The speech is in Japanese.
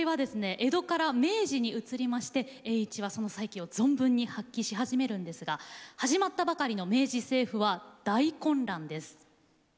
江戸から明治に移りまして栄一はその才気を存分に発揮し始めるんですが始まったばかりの明治政府は大混乱です。